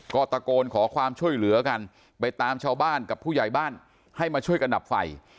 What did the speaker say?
ก็ตะโกนขอความช่วยเหลือกันไปตามชาวบ้านกับผู้ใหญ่บ้านให้มาช่วยกันดับไฟ